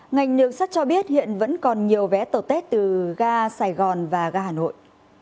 ngành đường sắt cho biết hiện vẫn còn nhiều vé tàu tết từ ga sài gòn và ga hà nội